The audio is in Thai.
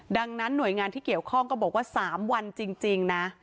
ดังนั้นหน่วยงานที่เกี่ยวข้องก็บอกว่า๓วันจริงนะ